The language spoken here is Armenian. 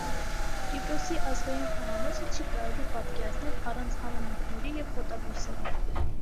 Կիպրոսի ազգային խոհանոցը չի կարելի պատկերացնել առանց համեմունքների և խոտաբույսերի։